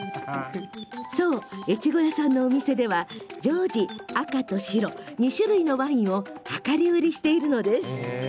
そう、越後屋さんのお店では常時、赤と白２種類のワインを量り売りしています。